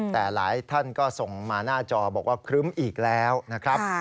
แต่หลายท่านก็ส่งมาหน้าจอบอกว่าครึ้มอีกแล้วนะครับ